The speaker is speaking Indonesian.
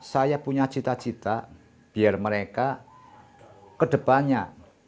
saya punya cita cita biar mereka kedepannya